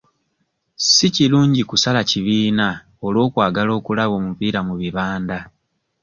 Si kirungi kusala kibiina olw'okwagala okulaba omupiira mu bibanda.